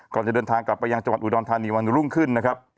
ก่อนจะเดินทางกลับไปยังจังหวัดอุดรธานีวันรุ่งขึ้นนะครับ